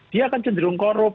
dia akan cenderung korup